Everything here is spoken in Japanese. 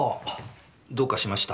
どうかしました？